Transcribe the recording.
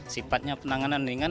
sifatnya penanganan ringan